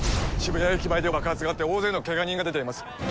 ・渋谷駅前で爆発があって大勢のけが人が出ています